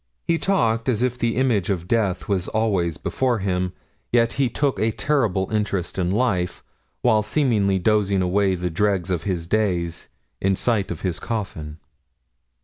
He talked as if the image of death was always before him, yet he took a terrible interest in life, while seemingly dozing away the dregs of his days in sight of his coffin.